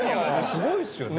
すごいですよね。